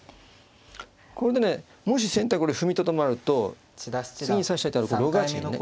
これでねもし先手がこれ踏みとどまると次に指したい手は６八銀ね。